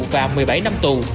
và một mươi bảy năm tù